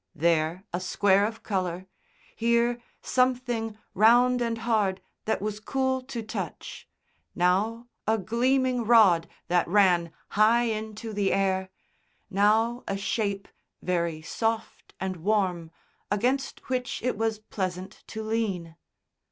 There a square of colour, here something round and hard that was cool to touch, now a gleaming rod that ran high into the air, now a shape very soft and warm against which it was pleasant to lean.